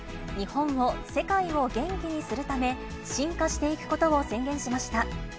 日本を、世界を元気にするため、進化していくことを宣言しました。